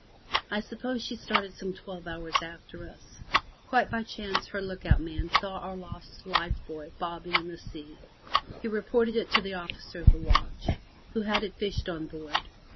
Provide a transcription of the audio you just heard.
I suppose she started some twelve hours after us. Quite by chance her look out man saw our lost life buoy bobbing in the sea. He reported it to the officer of the watch, who had it fished on board.